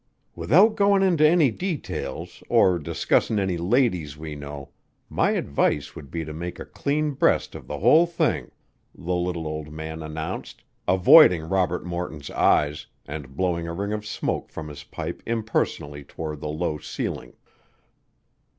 "Without goin' into any details or discussin' any ladies we know, my advice would be to make a clean breast of the whole thing," the little old man announced, avoiding Robert Morton's eyes and blowing a ring of smoke from his pipe impersonally toward the low ceiling.